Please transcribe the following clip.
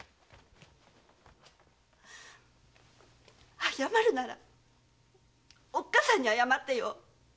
謝るならおっかさんに謝ってよ！